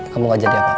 kamu gak jadi apa apa